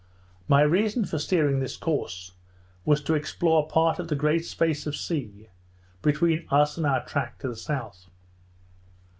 My reason for steering this course, was to explore part of the great space of sea between us and our track to the south.